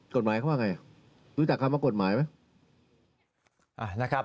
กฎหมายเขาว่าไงรู้จักคำว่ากฎหมายไหม